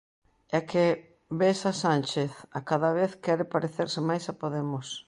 É que ves a Sánchez, a cada vez quere parecerse máis a Podemos.